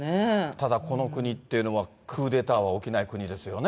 ただこの国っていうのは、クーデターは起きない国ですよね。